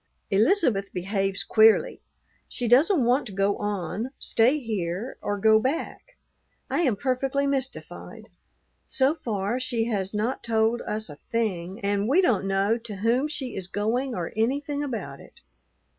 Elizabeth behaves queerly. She doesn't want to go on, stay here, or go back. I am perfectly mystified. So far she has not told us a thing, and we don't know to whom she is going or anything about it.